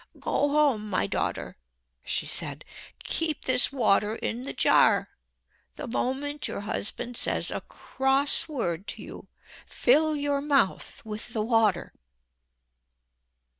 "Go home, my daughter," she said. "Keep this water in the jar. The moment your husband says a cross word to you, fill your mouth with the water."